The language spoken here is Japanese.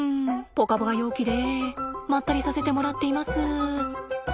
ぽかぽか陽気でまったりさせてもらっています。